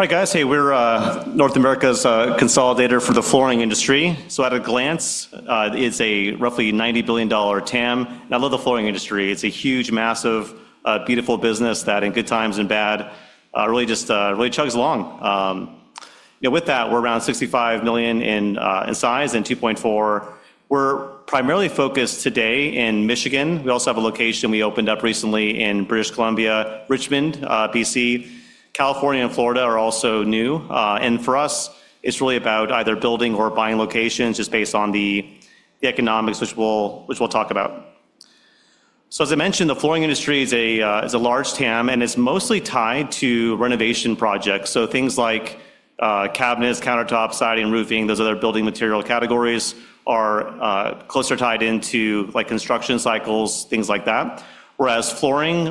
Alright guys, hey, we're North America's consolidator for the flooring industry. At a glance, it's a roughly $90 billion TAM. I love the flooring industry. It's a huge, massive, beautiful business that, in good times and bad, really just chugs along. With that, we're around $65 million in size and $2.4 billion. We're primarily focused today in Michigan. We also have a location we opened up recently in British Columbia, Richmond, BC. California and Florida are also new. For us, it's really about either building or buying locations just based on the economics, which we'll talk about. As I mentioned, the flooring industry is a large TAM, and it's mostly tied to renovation projects. Things like cabinets, countertops, siding, roofing, those other building material categories are closer tied into construction cycles, things like that. Whereas flooring,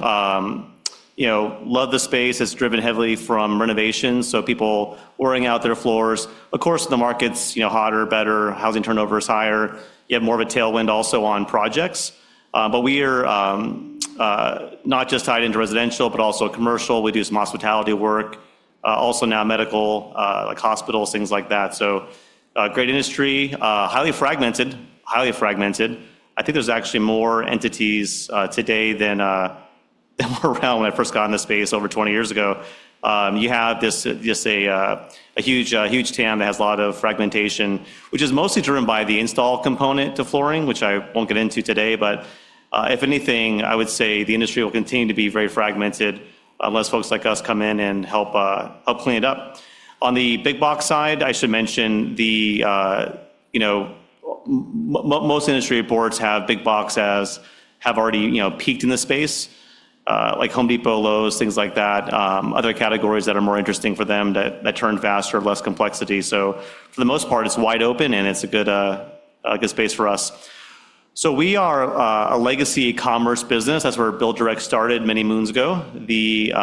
love the space. It's driven heavily from renovations, so people wearing out their floors. Of course, the market's hotter, better, housing turnover is higher. You have more of a tailwind also on projects. We are not just tied into residential, but also commercial. We do some hospitality work, also now medical, like hospitals, things like that. Great industry, highly fragmented, highly fragmented. I think there's actually more entities today than were around when I first got in this space over 20 years ago. You have just a huge TAM that has a lot of fragmentation, which is mostly driven by the install component to flooring, which I won't get into today. If anything, I would say the industry will continue to be very fragmented unless folks like us come in and help clean it up. On the big box side, I should mention most industry reports have big box as have already peaked in the space, like Home Depot, Lowe's, things like that, other categories that are more interesting for them that turn faster, less complexity. For the most part, it's wide open, and it's a good space for us. We are a legacy e-commerce business. That's where BuildDirect started many moons ago. The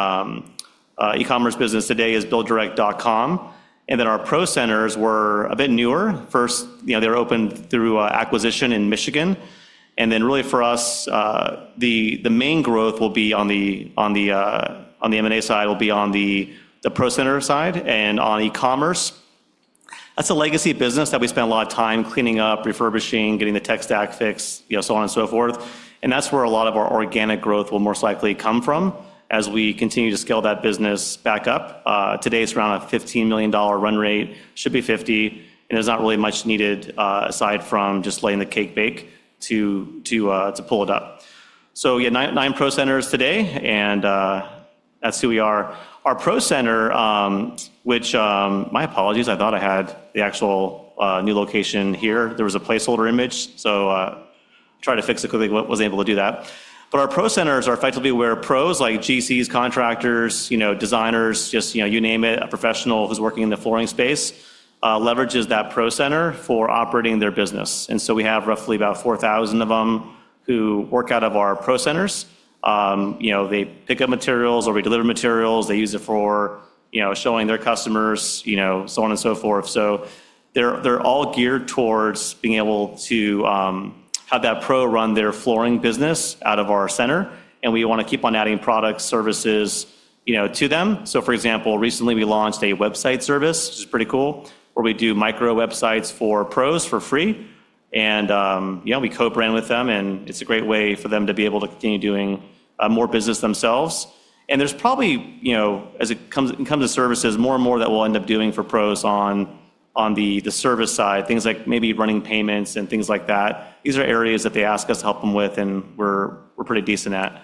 e-commerce business today is BuildDirect.com. Our Pro Centers were a bit newer. First, they were opened through acquisition in Michigan. For us, the main growth will be on the M&A side, will be on the Pro Center side and on e-commerce. That's a legacy business that we spend a lot of time cleaning up, refurbishing, getting the tech stack fixed, so on and so forth. That is where a lot of our organic growth will most likely come from as we continue to scale that business back up. Today, it's around a $15 million run rate, should be $50 million, and there's not really much needed aside from just letting the cake bake to pull it up. Yeah, nine Pro Centers today, and that's who we are. Our Pro Center, my apologies, I thought I had the actual new location here. There was a placeholder image, I tried to fix it quickly, but wasn't able to do that. Our Pro Centers are effectively where pros like general contractors, contractors, designers, just you name it, a professional who's working in the flooring space leverages that Pro Center for operating their business. We have roughly about 4,000 of them who work out of our Pro Centers. They pick up materials or we deliver materials. They use it for showing their customers, so on and so forth. They're all geared towards being able to have that pro run their flooring business out of our center. We want to keep on adding products and services to them. For example, recently we launched a website service, which is pretty cool, where we do co-branded micro-websites for pros for free. We co-brand with them, and it's a great way for them to be able to continue doing more business themselves. There's probably, as it comes to services, more and more that we'll end up doing for pros on the service side, things like maybe running payments and things like that. These are areas that they ask us to help them with, and we're pretty decent at.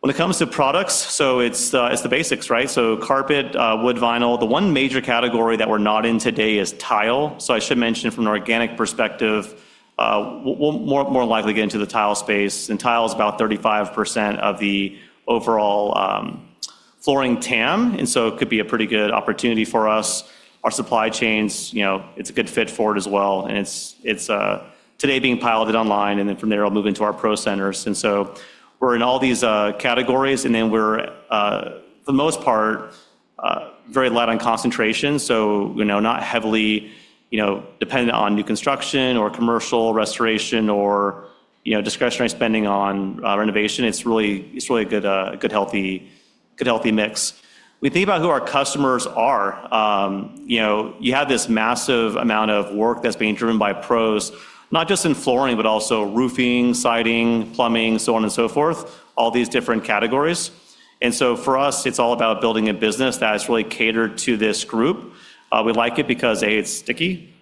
When it comes to products, it's the basics, right? Carpet, hardwood, vinyl. The one major category that we're not in today is tile. I should mention from an organic perspective, we'll more likely get into the tile segment. Tile is about 35% of the overall flooring TAM. It could be a pretty good opportunity for us. Our supply chains, it's a good fit for it as well. It's today being piloted online, and from there it'll move into our Pro Centers. We're in all these categories, and for the most part, very light on concentration. Not heavily dependent on new construction or commercial restoration or discretionary spending on renovation. It's really a good, healthy mix. When you think about who our customers are, you have this massive amount of work that's being driven by pros, not just in flooring, but also roofing, siding, plumbing, so on and so forth, all these different categories. For us, it's all about building a business that's really catered to this group. We like it because, A, it's sticky.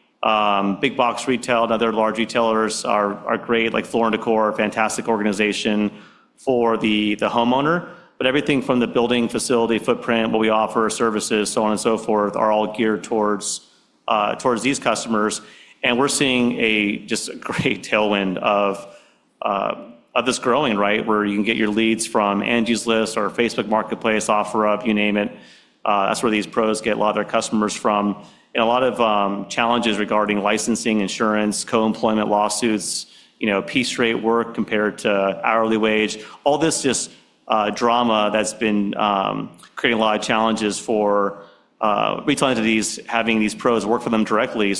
Big Box Retail and other large retailers are great, like Floor and Decor, fantastic organization for the homeowner. Everything from the building facility footprint, what we offer, services, so on and so forth, are all geared towards these customers. We're seeing just a great tailwind of this growing, right, where you can get your leads from Angie's List or Facebook Marketplace, OfferUp, you name it. That's where these pros get a lot of their customers from. There are a lot of challenges regarding licensing, insurance, co-employment lawsuits, piece rate work compared to hourly wage, all this just drama that's been creating a lot of challenges for retail entities having these pros work for them directly.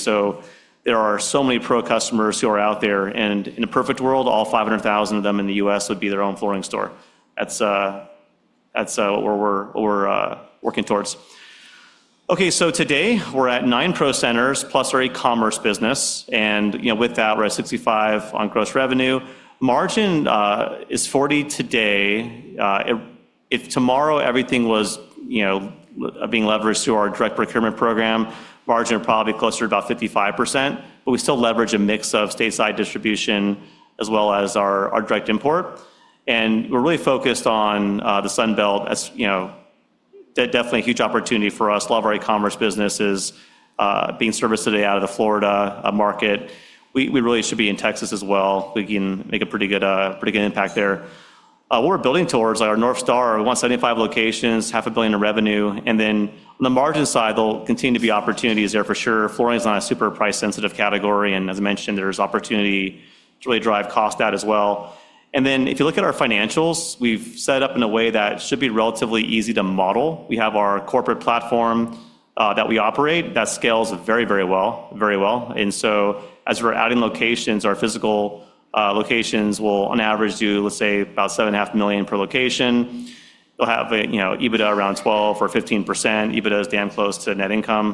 There are so many pro customers who are out there. In a perfect world, all 500,000 of them in the U.S. would be their own flooring store. That's what we're working towards. Today we're at nine Pro Centers plus our e-commerce business. With that, we're at $65 million on gross revenue. Margin is 40% today. If tomorrow everything was being leveraged through our direct procurement program, margin would probably be closer to about 55%. We still leverage a mix of stateside distribution as well as our direct import. We're really focused on the Sunbelt. That's definitely a huge opportunity for us. A lot of our e-commerce business is being serviced today out of the Florida market. We really should be in Texas as well. We can make a pretty good impact there. What we're building towards, like our North Star, we want 75 locations, half a billion in revenue. On the margin side, there will continue to be opportunities there for sure. Flooring is not a super price-sensitive category. As I mentioned, there's opportunity to really drive cost out as well. If you look at our financials, we've set it up in a way that should be relatively easy to model. We have our corporate platform that we operate that scales very, very well. As we're adding locations, our physical locations will on average do, let's say, about $7.5 million per location. They'll have EBITDA around 12% or 15%. EBITDA is damn close to net income.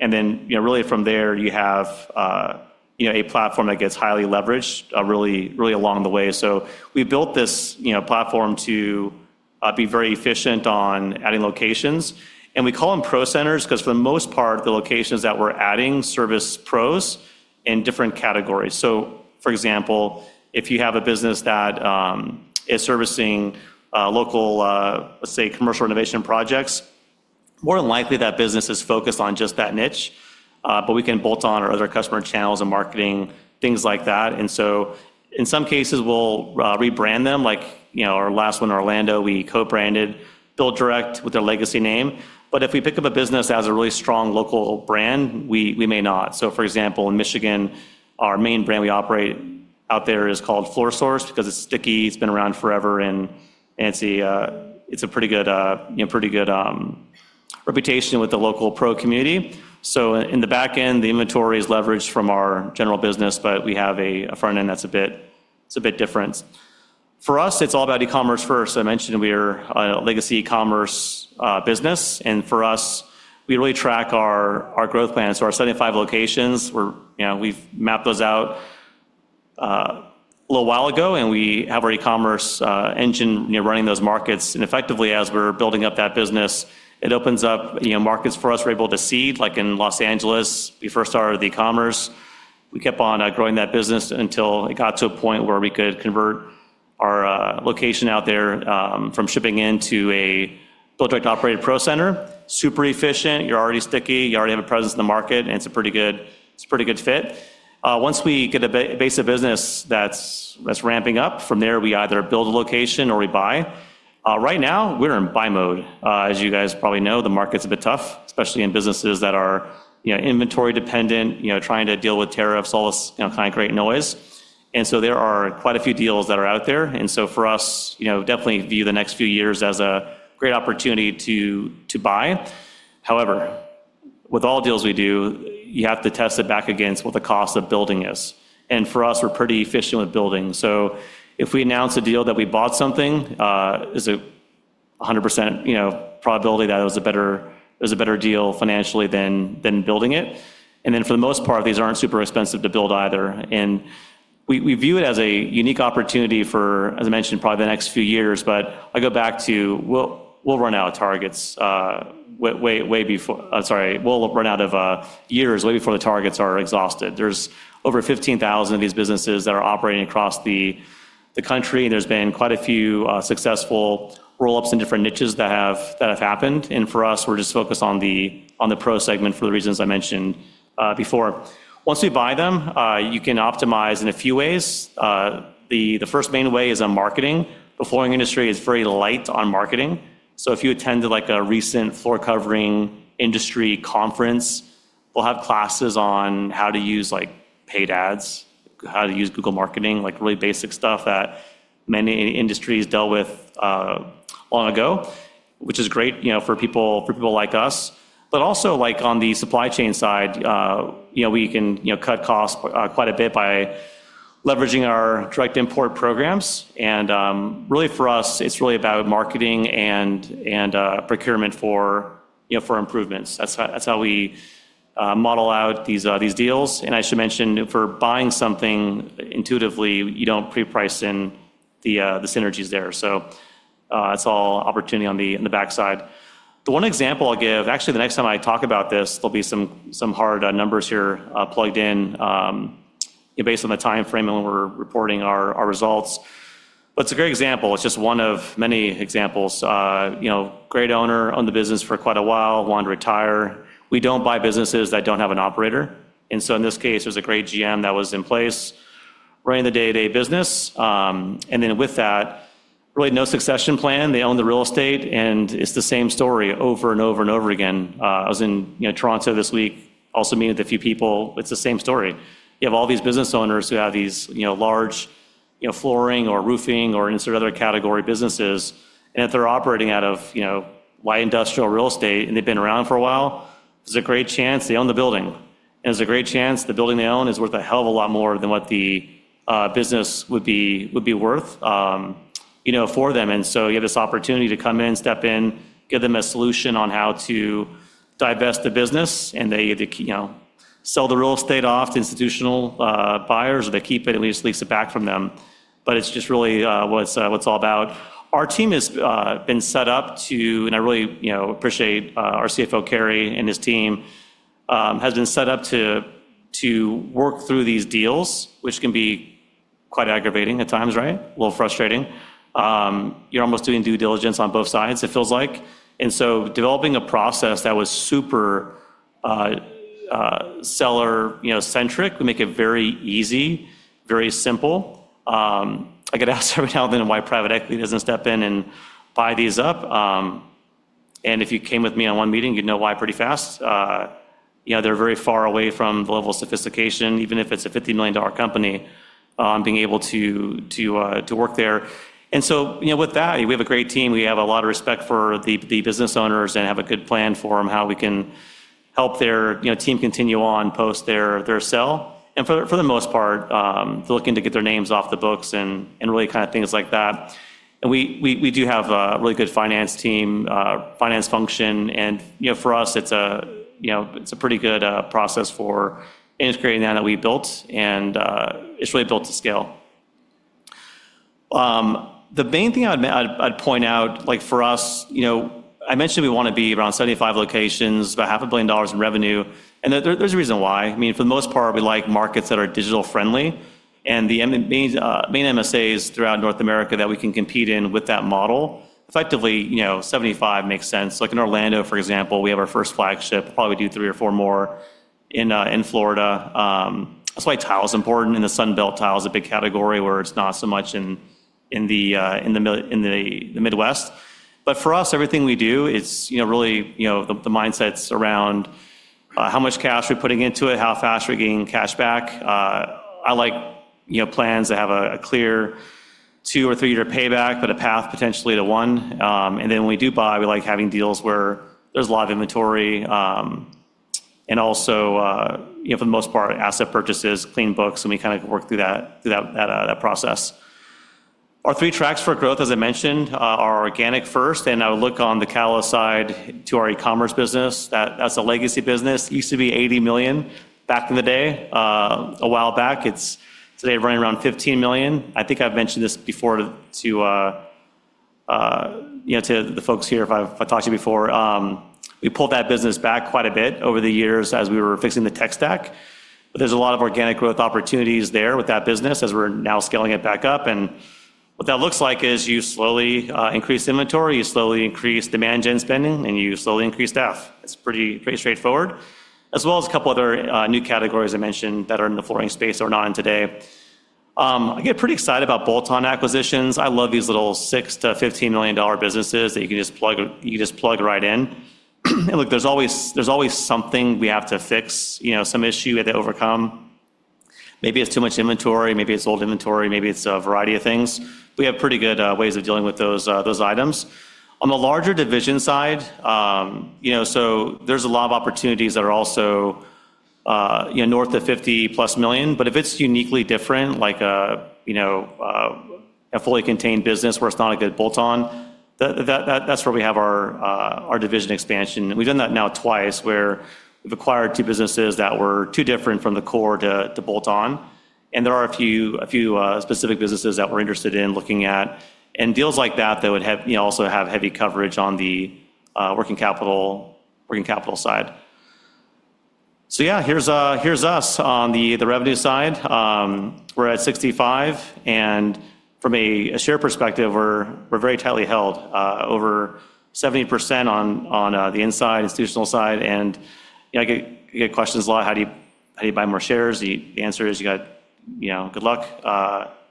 From there, you have a platform that gets highly leveraged really along the way. We built this platform to be very efficient on adding locations. We call them Pro Centers because, for the most part, the locations that we're adding service pros in different categories. For example, if you have a business that is servicing local, let's say, commercial renovation projects, more than likely that business is focused on just that niche. We can bolt on our other customer channels and marketing, things like that. In some cases, we'll rebrand them, like our last one in Orlando, we co-branded BuildDirect with their legacy name. If we pick up a business that has a really strong local brand, we may not. For example, in Michigan, our main brand we operate out there is called Floor Source because it's sticky. It's been around forever, and it's a pretty good reputation with the local pro community. In the back end, the inventory is leveraged from our general business, but we have a front end that's a bit different. For us, it's all about e-commerce first. I mentioned we are a legacy e-commerce business, and for us, we really track our growth plan. Our 75 locations, we've mapped those out a little while ago, and we have our e-commerce engine running those markets. Effectively, as we're building up that business, it opens up markets for us. We're able to seed, like in Los Angeles, we first started the e-commerce. We kept on growing that business until it got to a point where we could convert our location out there from shipping into a BuildDirect-operated Pro Center. Super efficient. You're already sticky. You already have a presence in the market, and it's a pretty good fit. Once we get a base of business that's ramping up, from there we either build a location or we buy. Right now, we're in buy mode. As you guys probably know, the market's a bit tough, especially in businesses that are inventory dependent, trying to deal with tariffs, all this kind of great noise. There are quite a few deals that are out there. For us, definitely view the next few years as a great opportunity to buy. However, with all deals we do, you have to test it back against what the cost of building is. For us, we're pretty efficient with building. If we announce a deal that we bought something, there's a 100% probability that it was a better deal financially than building it. For the most part, these aren't super expensive to build either. We view it as a unique opportunity for, as I mentioned, probably the next few years. I go back to, we'll run out of years way before the targets are exhausted. There's over 15,000 of these businesses that are operating across the country, and there's been quite a few successful roll-ups in different niches that have happened. For us, we're just focused on the pro segment for the reasons I mentioned before. Once we buy them, you can optimize in a few ways. The first main way is on marketing. The flooring industry is very light on marketing. If you attend a recent floor covering industry conference, we'll have classes on how to use paid ads, how to use Google Marketing, like really basic stuff that many industries dealt with long ago, which is great for people like us. Also, on the supply chain side, we can cut costs quite a bit by leveraging our direct import programs. For us, it's really about marketing and procurement for improvements. That's how we model out these deals. I should mention, for buying something intuitively, you don't pre-price in the synergies there. It's all opportunity on the backside. The one example I'll give, actually, the next time I talk about this, there'll be some hard numbers here plugged in based on the timeframe and when we're reporting our results. It's a great example. It's just one of many examples. Great owner owned the business for quite a while, wanted to retire. We don't buy businesses that don't have an operator. In this case, there's a great GM that was in place, running the day-to-day business. With that, really no succession plan. They own the real estate. It's the same story over and over and over again. I was in Toronto this week, also meeting with a few people. It's the same story. You have all these business owners who have these large flooring or roofing or any sort of other category businesses. If they're operating out of white industrial real estate and they've been around for a while, there's a great chance they own the building. There's a great chance the building they own is worth a hell of a lot more than what the business would be worth for them. You have this opportunity to come in, step in, give them a solution on how to divest the business. They either sell the real estate off to institutional buyers, or they keep it and at least lease it back from them. It's just really what it's all about. Our team has been set up to, and I really appreciate our CFO, Kerry, and his team, has been set up to work through these deals, which can be quite aggravating at times, right? A little frustrating. You're almost doing due diligence on both sides, it feels like. Developing a process that was super seller-centric would make it very easy, very simple. I get asked every now and then why private equity doesn't step in and buy these up. If you came with me on one meeting, you'd know why pretty fast. They're very far away from the level of sophistication, even if it's a $50 million company, being able to work there. With that, we have a great team. We have a lot of respect for the business owners and have a good plan for them how we can help their team continue on post their sell. For the most part, they're looking to get their names off the books and really kind of things like that. We do have a really good finance team, finance function. For us, it's a pretty good process for integrating that that we built. It's really built to scale. The main thing I'd point out, like for us, I mentioned we want to be around 75 locations, about $500 million in revenue. There's a reason why. For the most part, we like markets that are digital-friendly. The main MSAs throughout North America that we can compete in with that model, effectively, 75 makes sense. In Orlando, for example, we have our first flagship. Probably do three or four more in Florida. That's why tile is important in the Sunbelt. Tile is a big category where it's not so much in the Midwest. For us, everything we do, it's really the mindsets around how much cash we're putting into it, how fast we're getting cash back. I like plans that have a clear two or three-year payback, but a path potentially to one. When we do buy, we like having deals where there's a lot of inventory. For the most part, asset purchases, clean books, and we kind of work through that process. Our three tracks for growth, as I mentioned, are organic first. I would look on the catalyst side to our e-commerce business. That's a legacy business. It used to be $80 million back in the day, a while back. It's today running around $15 million. I think I've mentioned this before to the folks here if I've talked to you before. We pulled that business back quite a bit over the years as we were fixing the tech stack. There are a lot of organic growth opportunities there with that business as we're now scaling it back up. What that looks like is you slowly increase inventory, you slowly increase demand gen spending, and you slowly increase staff. It's pretty straightforward. As well as a couple other new categories I mentioned that are in the flooring space that we're not in today. I get pretty excited about bolt-on acquisitions. I love these little $6 million-$15 million businesses that you can just plug right in. Look, there's always something we have to fix, some issue we have to overcome. Maybe it's too much inventory, maybe it's old inventory, maybe it's a variety of things. We have pretty good ways of dealing with those items. On the larger division side, there are a lot of opportunities that are also north of $50 million. If it's uniquely different, like a fully contained business where it's not a good bolt-on, that's where we have our division expansion. We've done that now twice where we've acquired two businesses that were too different from the core to bolt on. There are a few specific businesses that we're interested in looking at. Deals like that, though, would also have heavy coverage on the working capital side. Here's us on the revenue side. We're at $65 million. From a share perspective, we're very tightly held, over 70% on the inside, institutional side. I get questions a lot, how do you buy more shares? The answer is you got good luck.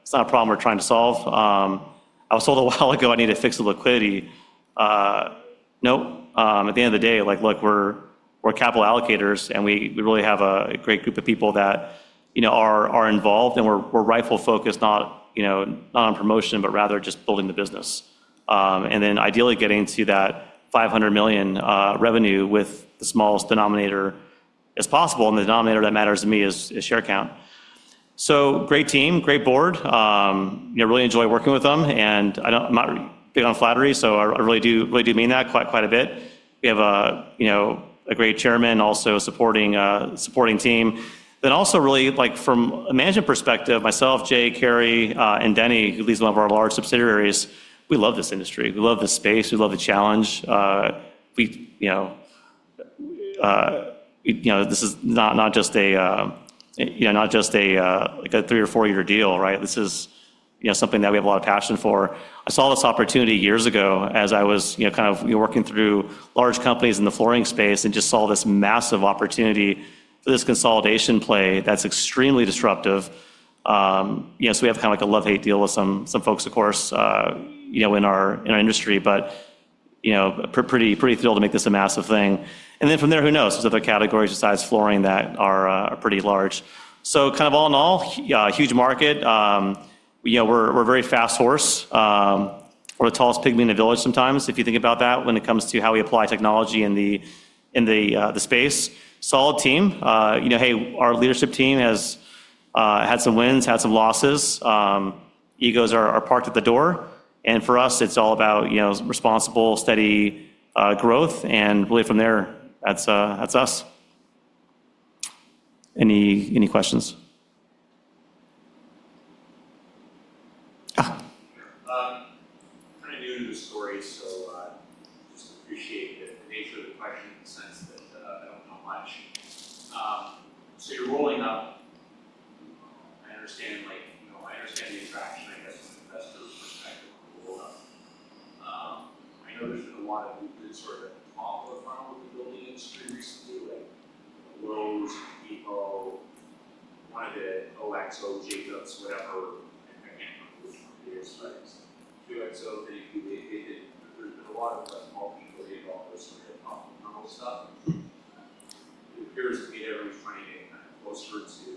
It's not a problem we're trying to solve. I was told a while ago I needed fixed liquidity. Nope. At the end of the day, we're capital allocators. We really have a great group of people that are involved. We're rifle focused, not on promotion, but rather just building the business and then ideally getting to that $500 million revenue with the smallest denominator as possible. The denominator that matters to me is share count. Great team, great board. Really enjoy working with them. I'm not big on flattery, so I really do mean that quite a bit. We have a great chairman, also a supporting team. From a management perspective, myself, Jay, Kerry, and Denny, who leads one of our large subsidiaries, we love this industry. We love this space. We love the challenge. This is not just a three or four-year deal, right? This is something that we have a lot of passion for. I saw this opportunity years ago as I was working through large companies in the flooring space and just saw this massive opportunity for this consolidation play that's extremely disruptive. We have kind of like a love-hate deal with some folks, of course, in our industry. Pretty thrilled to make this a massive thing. From there, who knows? There are other categories besides flooring that are pretty large. All in all, huge market. We're a very fast horse. We're the tallest pygmy in the village sometimes, if you think about that, when it comes to how we apply technology in the space. Solid team. Our leadership team has had some wins, had some losses. Egos are parked at the door. For us, it's all about responsible, steady growth. Really from there, that's us. Any questions? I'm kind of new to the story, so I just appreciate the nature of the question in the sense that I don't know much. You're rolling up. I understand the attraction, I guess, from an investor's perspective on the roll-up. I know there's been a lot of movement at the top of the funnel with the building industry recently, like Lowe's, Depot, one of the OXO, Jacobs, whatever. I can't remember which one it is, but it's two XOs and they did. There's been a lot of multi-billion dollars at the top of the funnel stuff. It appears to me that everyone's trying to get closer to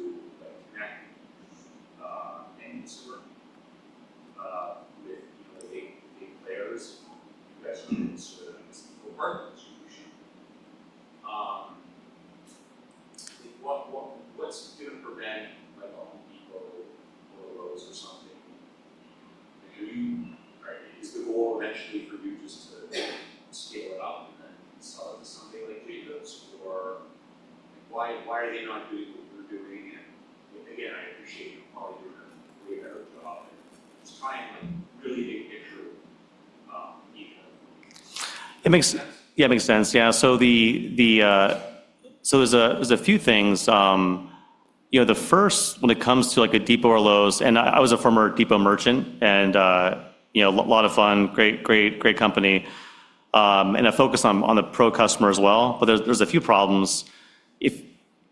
connecting end consumer with the big players. You guys are going to consider that as a core part of the distribution. What's going to prevent like a Home Depot or a Lowe's or something? Do you, is the goal eventually for you just to scale it up and then sell it to somebody like Jacobs? Why are they not doing what you're doing? I appreciate you know probably doing a way better job and just trying really big picture. Yeah, it makes sense. Yeah. There's a few things. The first, when it comes to like a Depot or Lowe's, and I was a former Depot merchant and, you know, a lot of fun, great, great, great company. I focus on the pro customer as well, but there's a few problems. If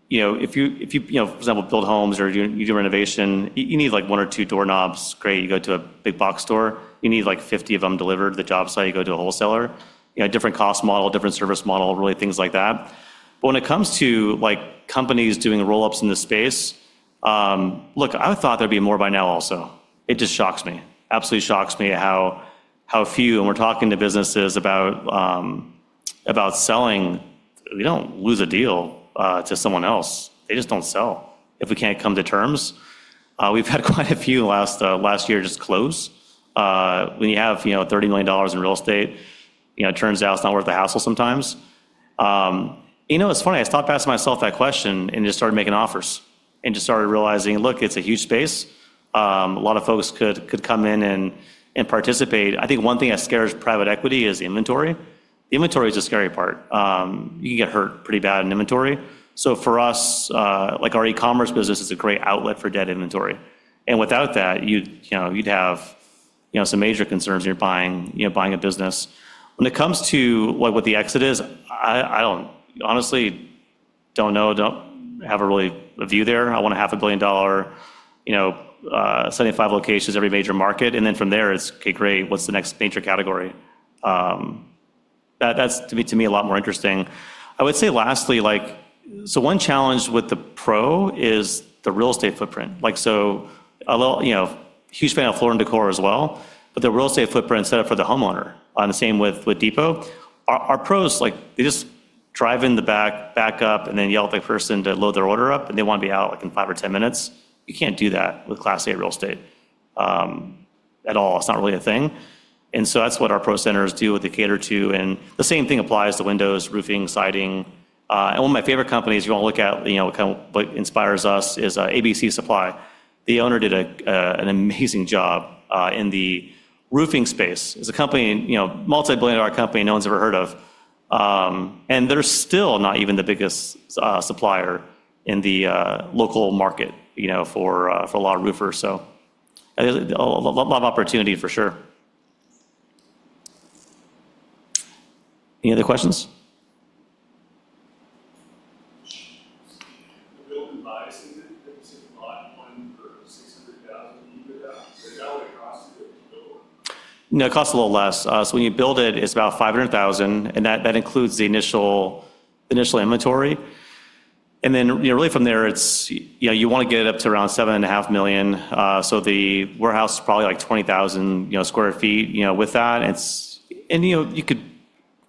you, for example, build homes or you do renovation, you need like one or two doorknobs. Great, you go to a big box store. You need like 50 of them delivered to the job site, you go to a wholesaler. A different cost model, different service model, really things like that. When it comes to companies doing roll-ups in this space, look, I would have thought there'd be more by now also. It just shocks me, absolutely shocks me how few, and we're talking to businesses about selling, we don't lose a deal to someone else. They just don't sell if we can't come to terms. We've had quite a few last year just close. When you have $30 million in real estate, it turns out it's not worth the hassle sometimes. It's funny, I stopped asking myself that question and just started making offers and just started realizing, look, it's a huge space. A lot of folks could come in and participate. I think one thing that scares private equity is the inventory. The inventory is the scary part. You can get hurt pretty bad in inventory. For us, our e-commerce business is a great outlet for dead inventory. Without that, you'd have some major concerns when you're buying a business. When it comes to what the exit is, I honestly don't know, don't have a real view there. I want a half a billion dollar, 75 locations, every major market. From there, it's okay, great, what's the next major category? That's to me a lot more interesting. I would say lastly, one challenge with the pro is the real estate footprint. A huge fan of Floor & Decor as well, but the real estate footprint set up for the homeowner and the same with Depot. Our pros, they just drive in the back, back up, and then yell at the person to load their order up, and they want to be out in five or ten minutes. You can't do that with class A real estate at all. It's not really a thing. That's what our Pro Centers do, what they cater to. The same thing applies to windows, roofing, siding. One of my favorite companies you want to look at, what kind of inspires us is ABC Supply. The owner did an amazing job in the roofing space. It's a company, a multi-billion dollar company no one's ever heard of. They're still not even the biggest supplier in the local market for a lot of roofers. A lot of opportunity for sure. Any other questions? Do you build and buy something that you said you bought one for $600,000? Is that what it costs to build? No, it costs a little less. When you build it, it's about $500,000, and that includes the initial inventory. From there, you want to get it up to around $7.5 million. The warehouse is probably like 20,000 sq ft with that, and you could do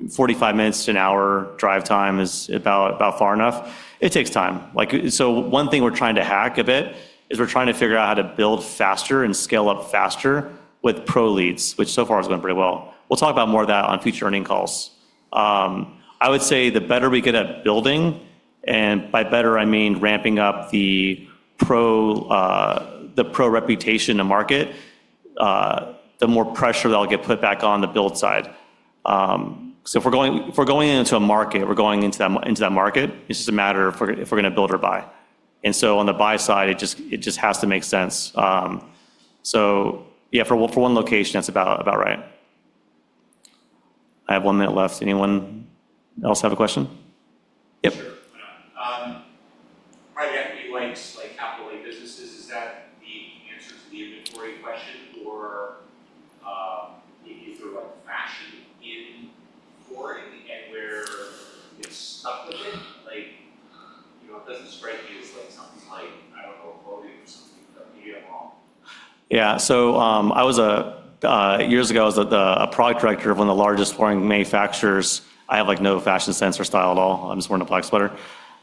45 minutes to an hour drive time, which is about far enough. It takes time. One thing we're trying to hack a bit is we're trying to figure out how to build faster and scale up faster with pro leads, which so far has gone pretty well. We'll talk about more of that on future earnings calls. I would say the better we get at building, and by better, I mean ramping up the pro reputation in the market, the more pressure that I'll get put back on the build side. If we're going into a market, we're going into that market. It's just a matter of if we're going to build or buy. On the buy side, it just has to make sense. For one location, that's about right. I have one minute left. Anyone else have a question? Yep. Private equity likes capital A businesses. Is that the answer to the inventory question, or maybe if they're like fashioned in flooring and where it's stuck with it? Like, you know, it doesn't strike me as like something like, I don't know, a boating or something. Did I get it wrong? Yeah, years ago, I was a Product Director of one of the largest flooring manufacturers. I have no fashion sense or style at all. I'm just wearing a black sweater.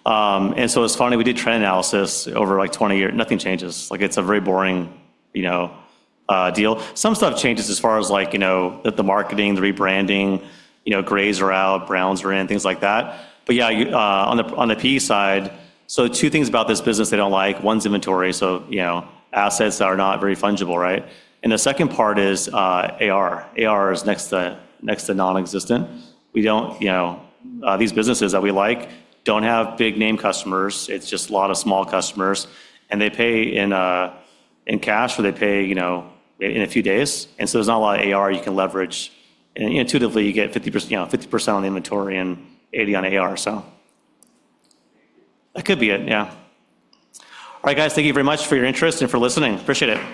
It was funny. We did trend analysis over 20 years. Nothing changes. It's a very boring deal. Some stuff changes as far as the marketing, the rebranding. Grays are out, browns are in, things like that. On the private equity side, two things about this business they don't like. One is inventory, so assets that are not very fungible, right? The second part is AR. AR is next to non-existent. These businesses that we like don't have big name customers. It's just a lot of small customers. They pay in cash or they pay in a few days. There's not a lot of AR you can leverage. Intuitively, you get 50% on the inventory and 80% on AR. That could be it, yeah. All right, guys, thank you very much for your interest and for listening. Appreciate it.